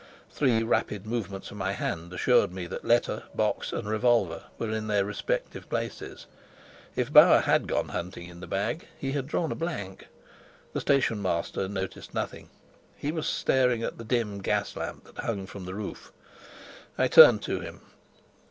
Three rapid movements of my hand assured me that letter, box, and revolver were in their respective places. If Bauer had gone hunting in the bag, he had drawn a blank. The station master noticed nothing; he was stating at the dim gas lamp that hung from the roof. I turned to him.